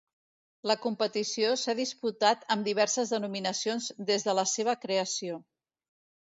La competició s'ha disputat amb diverses denominacions des de la seva creació.